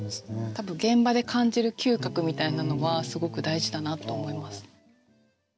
多分現場で感じる嗅覚みたいなのはすごく大事だなと思います。